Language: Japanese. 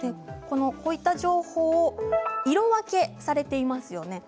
こういった情報を色分けされています。